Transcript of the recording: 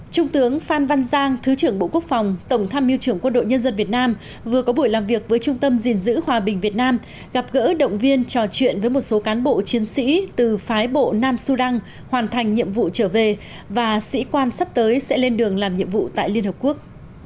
trung tướng phan văn giang thứ trưởng bộ quốc phòng tổng tham mưu trưởng quân đội nhân dân việt nam vừa có buổi làm việc với trung tâm gìn giữ hòa bình việt nam gặp gỡ động viên trò chuyện với một số cán bộ chiến sĩ từ phái bộ nam sudan hoàn thành nhiệm vụ trở về và sĩ quan sắp tới sẽ lên đường làm nhiệm vụ tại liên hợp quốc